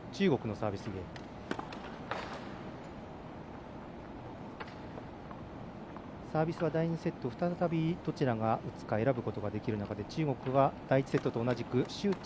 サービスは第２セット、再びどちらが打つか選ぶことができる中で中国は第１セットと同じく朱珍